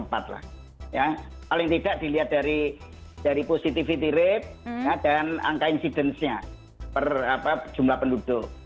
paling tidak dilihat dari positivity rate dan angka insidence nya per jumlah penduduk